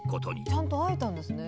ちゃんと会えたんですね。